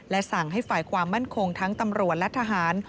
สั่งให้ฝ่ายความมั่นคงทั้งตำรวจและทหาร